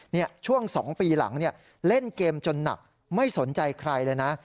ช่วง๒ปีหลังเนี่ยเล่นเกมจนหนักไม่สนใจใครเลยนะ